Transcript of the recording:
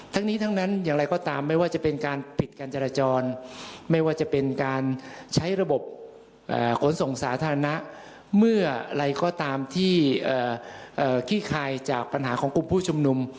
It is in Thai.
ทั้งนี้ทั้งนั้นอย่างไรก็ตามไม่ว่าจะเป็นการปิดการจราจรไม่ว่าจะเป็นการใช้ระบบขนส่งสาธารณะเมื่อไหร่ก็ตามที่ขี้คายจากปัญหาของกลุ่มผู้ชุมนุม